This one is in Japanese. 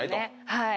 はい。